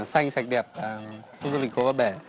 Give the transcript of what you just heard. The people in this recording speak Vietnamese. xanh sạch đẹp khu du lịch hồ ba bể